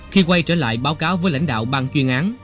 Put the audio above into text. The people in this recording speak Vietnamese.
khi quay trở lại báo cáo với lãnh đạo bang chuyên án